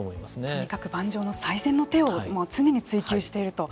とにかく盤上の最善の手を常に追求していると。